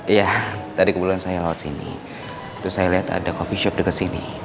iya tadi kebetulan saya lewat sini terus saya liat ada coffee shop deket sini